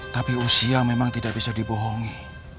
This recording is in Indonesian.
tapi usia memang tidak bisa dibohongi